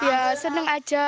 ya seneng aja